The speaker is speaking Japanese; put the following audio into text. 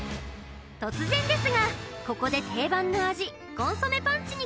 突然ですがここで定番の味